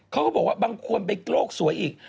เขาก็บอกว่าบางคนไปโลกสวยอีก